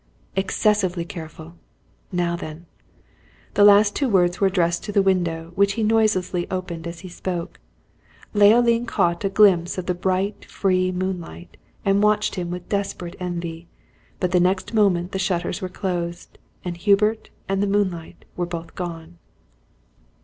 "Excessively careful! Now then." The last two words were addressed to the window which he noiselessly opened as he spoke. Leoline caught a glimpse of the bright free moonlight, and watched him with desperate envy; but the next moment the shutters were closed, and Hubert and the moonlight were both gone.